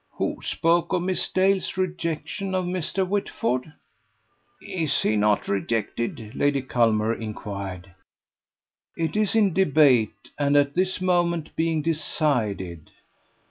"Who spoke of Miss Dale's rejection of Mr. Whitford?" "Is he not rejected?" Lady Culmer inquired. "It is in debate, and at this moment being decided."